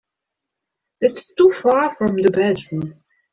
That's too far from the bedroom.